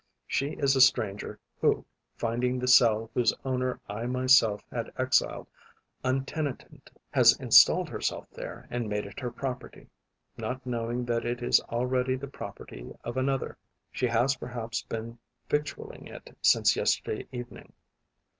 She is a stranger who, finding the cell whose owner I myself had exiled untenanted, has installed herself there and made it her property, not knowing that it is already the property of another. She has perhaps been victualling it since yesterday evening.